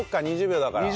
２０秒だから。